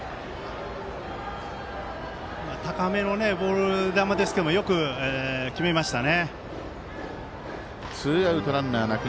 高めのボール球ですけどよく決めましたね。